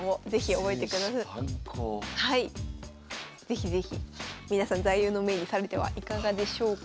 是非是非皆さん座右の銘にされてはいかがでしょうか？